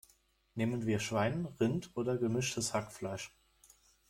Nehmen wir Schwein, Rind oder gemischtes Hackfleisch?